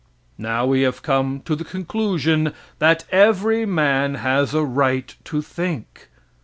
Now we have come to the conclusion that every man has a right to think.